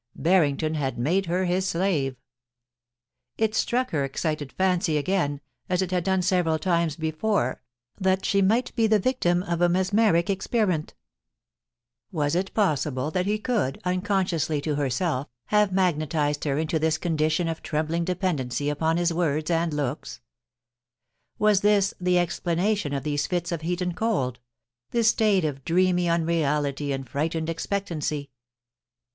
Barrington had made her his slave. It struck her excited fancy again, as it had done several times before, that she might be the victim of a mesmeric experi ment Was it possible that he could, unconsciously to herself, have magnetised her into this condition of trembling depen 242 POLICY AND PASSIOX. dency upon his words and looks ? Was this the explana tion of these fits of heat and cold — this state of dreamy unreality and frightened expectancy?